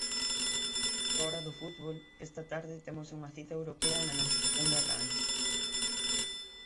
Fóra do fútbol, esta tarde temos unha cita europea na nosa segunda canle.